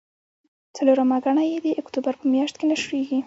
څلورمه ګڼه یې د اکتوبر په میاشت کې نشریږي.